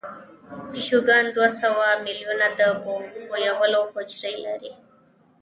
پیشوګان دوه سوه میلیونه د بویولو حجرې لري.